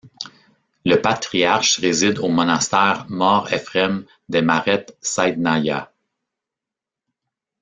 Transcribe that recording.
Le patriarche réside au Monastère Mor Ephrem de Maaret Saidnaya.